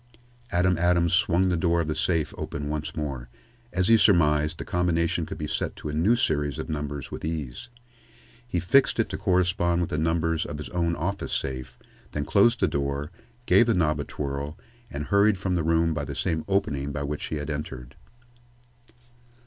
Adam Adams swung the door of the safe open once more. As he surmised, the combination could be set to a new series of numbers with ease. He fixed it to correspond with the numbers of his own office safe, then closed the door, gave the knob a twirl, and hurried from the room by the same opening by which he had entered.